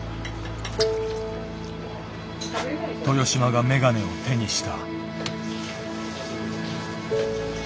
豊島が眼鏡を手にした。